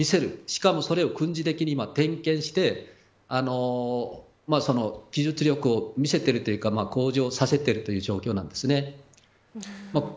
しかも、それは今軍事的に点検して技術力を見せているというか向上させているところなんです。